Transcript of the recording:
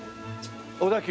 小田急？